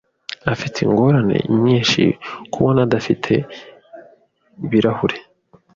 Afite ingorane nyinshi kubona adafite ibirahure.